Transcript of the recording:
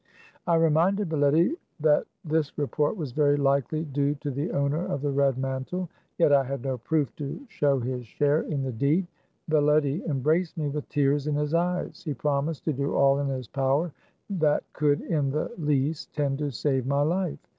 I reminded Baletty that this report was very likely due to the owner of the red mantle ; yet I had no proof to show his share in the deed. Baletty embraced me with tears in his eyes. He promised to do all in his power that could in the least tend to save my life.